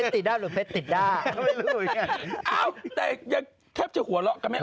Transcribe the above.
แต่แค่จะหัวเราะก็ไม่ออก